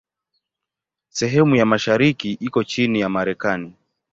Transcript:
Sehemu ya mashariki iko chini ya Marekani.